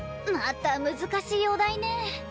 また難しいお題ね。